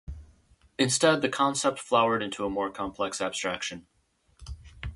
Instead, the concept flowered into a more complex abstraction.